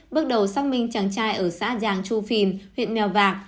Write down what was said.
bước đầu xác minh chàng trai ở xã giàng chu phìm huyện mèo vạc